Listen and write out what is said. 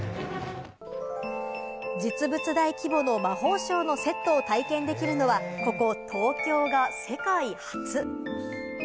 実物大規模の魔法省のセットを体験できるのはここ、東京が世界初！